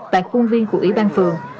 tại khuôn viên của ủy ban phường